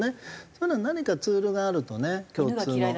そういうような何かツールがあるとね共通の。